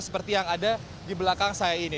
seperti yang ada di belakang anda